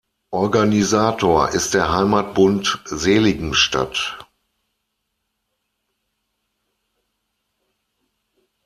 Organisator ist der Heimatbund Seligenstadt.